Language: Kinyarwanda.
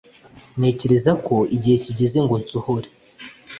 ntekereza ko igihe kigeze ngo nsohore